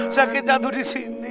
sakit jatuh disini